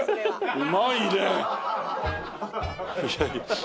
うまいね！